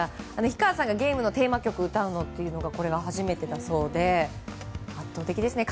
氷川さんがゲームのテーマ曲を歌うのはこれが初めてだそうで圧倒的ですね。